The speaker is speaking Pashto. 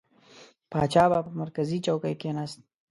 پاچا به پر مرکزي چوکۍ کښېنست.